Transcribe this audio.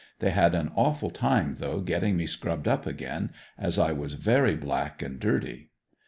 They had an awful time though getting me scrubbed up again, as I was very black and dirty.